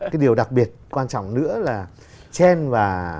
và điều đặc biệt quan trọng nữa là trần và